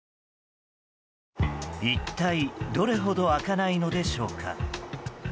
一体、どれほど開かないのでしょうか。